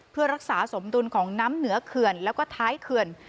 เพื่อรักษาสมดุลของน้ำเหนือเขื่อนแล้วก็ท้ายเขื่อน